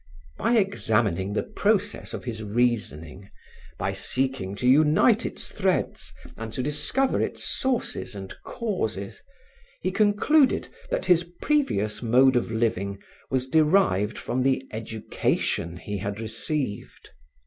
By examining the process of his reasoning, by seeking to unite its threads and to discover its sources and causes, he concluded that his previous mode of living was derived from the education he had received.